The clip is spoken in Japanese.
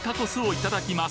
いただきます。